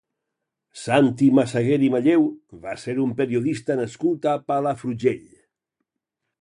Santi Massaguer i Malleu va ser un periodista nascut a Palafrugell.